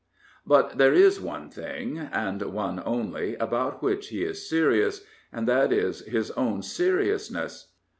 But there is one thing, and one only, about which he is serious, and that is his own seriousness.